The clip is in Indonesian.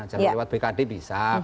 jalur lewat bkd bisa